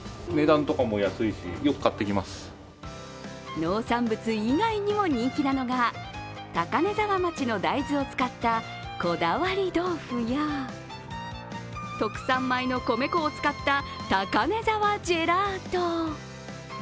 農産物以外にも人気なのが高根沢町の大豆を使ったこだわり豆腐や特産米の米粉を使った高根沢ジェラート。